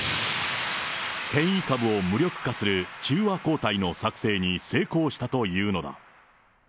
変異株を無力化する中和抗体の作製に成功したというのだ。